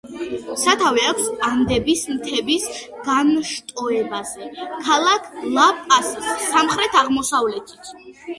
სათავე აქვს ანდების მთების განშტოებაზე, ქალაქ ლა-პასის სამხრეთ-აღმოსავლეთით.